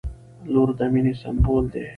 • لور د مینې سمبول دی.